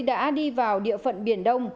đã đi vào địa phận biển đông